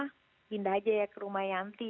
saya bilang yaudah aja ya ke rumah yanti